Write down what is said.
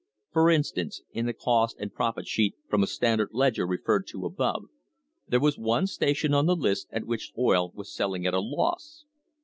For in stance, in the cost and profit sheet from a Standard ledger referred to above, there was one station on the list at which oil was selling at a loss.